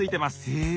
へえ。